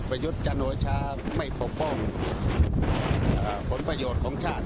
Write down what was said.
ยุทธ์จันโอชาไม่ปกป้องผลประโยชน์ของชาติ